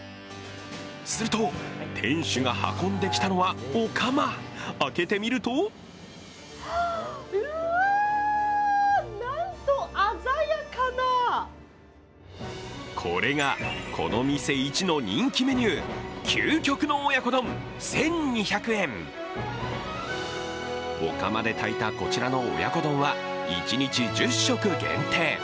すると、店主が運んできたのはお釜開けてみるとこれが、この店一の人気メニュー、究極の親子丼１２００円お釜で炊いたこちらの親子丼は一日１０食限定。